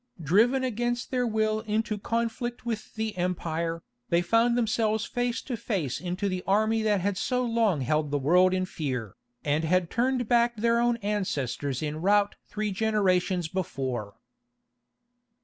Driven against their will into conflict with the empire, they found themselves face to face into the army that had so long held the world in fear, and had turned back their own ancestors in rout three generations before.